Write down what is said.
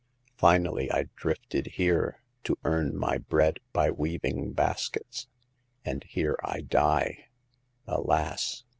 Finally, I drifted here, to earn my bread by weaving baskets ; and here I die. Alas